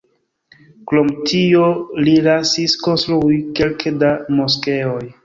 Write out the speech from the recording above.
Krom tio li lasis konstrui kelke da moskeoj.